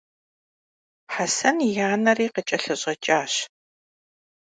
Hesen yi aneri khıç'elhış'eç'aş.